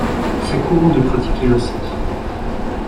C’est courant de pratiquer ainsi.